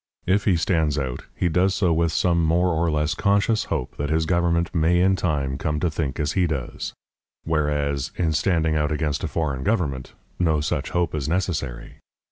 If he stands out, he does so with some more or less conscious hope that his government may in time come to think as he does; whereas, in standing out against a foreign government, no such hope is necessary.